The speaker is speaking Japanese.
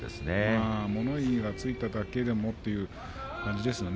物言いがついただけでもという感じですね。